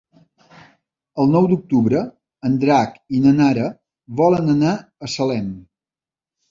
El nou d'octubre en Drac i na Nara volen anar a Salem.